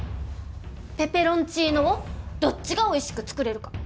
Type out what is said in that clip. ペペロンチーノをどっちがおいしく作れるか。